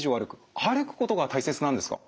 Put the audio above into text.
歩くことが大切なんですか？